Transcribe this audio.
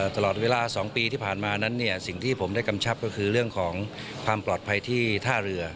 ตลอดเวลา๒ปีที่ผ่านมานั้นเนี่ยสิ่งที่ผมได้กำชับก็คือเรื่องของความปลอดภัยที่ท่าเรือ